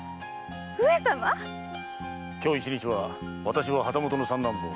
今日一日は私は旗本の三男坊・徳田新之助。